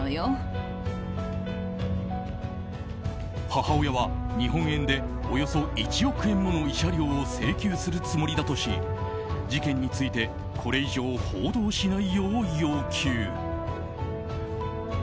母親は日本円でおよそ１億円もの慰謝料を請求するつもりだとし事件についてこれ以上報道しないよう要求。